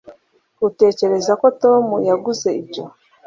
utekereza ko tom yaguze ibyo